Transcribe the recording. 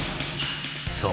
そう！